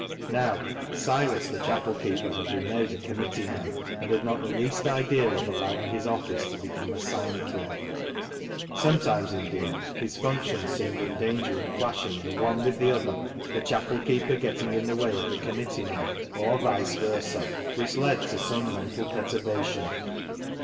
Now, Silas the chapel keeper had been made a committee man, and had not the least idea of allowing his office to become a sinecure. Sometimes, indeed, his functions seemed in danger of clashing the one with the other, the chapel keeper getting in the way of the com mittee man or vice versa, which led to some mental perturbation.